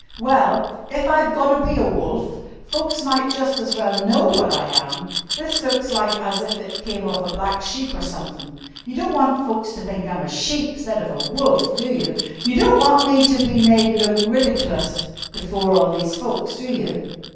Well, if I've gotter be a wolf folks might just as well know what I am. This looks like as if it came off a black sheep or sumthin'. You don't want folks to think I'm a sheep 'stead of a wolf, do you? You don't want me to be made look ridiclus before all these folks, do you?"